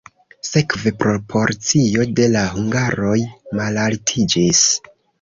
Sekve proporcio de la hungaroj malaltiĝis.